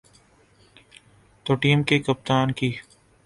تو ٹیم کے کپتان کی۔